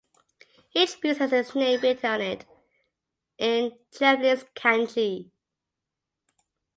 Each piece has its name written on it in Japanese kanji.